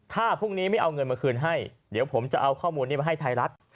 ถ้าพรุ่งนี้ไม่เอาเงินมาคืนให้เดี๋ยวผมจะเอาข้อมูลนี้มาให้ไทยรัฐ